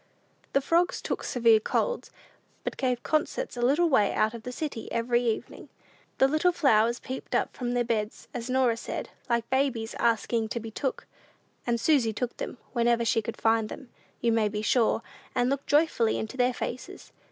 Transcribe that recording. The frogs took severe colds, but gave concerts a little way out of the city every evening. The little flowers peeped up from their beds, as Norah said, "like babies asking to be took;" and Susy took them; whenever she could find them, you may be sure, and looked joyfully into their faces.